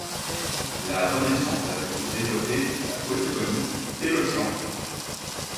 La Renaissance a vu se développer la polyphonie et le chant.